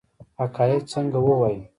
حقایق څنګه ووایو؟